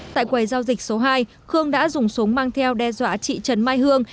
tại quầy giao dịch số hai khương đã dùng súng mang theo đe dọa chị trần mai hương